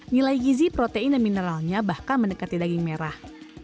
nilai gizi protein dan mineralnya bahkan mendekati daging merah